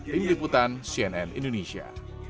lim liputan cnn indonesia